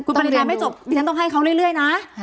คุณผู้ชายไม่จบต้องให้เค้าเรื่อยนะ